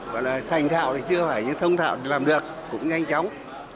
hoặc là thành thạo thì chưa phải nhưng thông thạo thì làm được cũng nhanh chóng